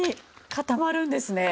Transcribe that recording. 固まるんです。